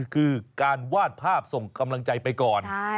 คือการวาดภาพส่งกำลังใจไปก่อน